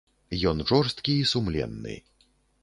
Ён жорсткі і сумленны.